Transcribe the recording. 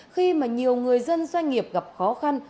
khi mà nhiều người dân doanh nghiệp gặp khó khăn